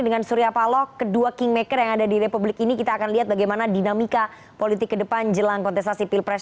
dan surya palok kedua kingmaker yang ada di republik ini kita akan lihat bagaimana dinamika politik ke depan jelang kontestasi pilpres dua ribu dua puluh empat